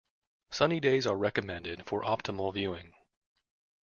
Sunny days are recommended for optimal viewing.